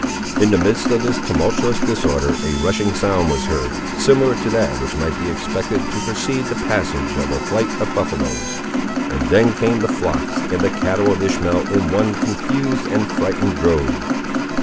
In the midst of this tumultuous disorder a rushing sound was heard, similar to that which might be expected to precede the passage of a flight of buffaloes, and then came the flocks and cattle of Ishmael in one confused and frightened drove.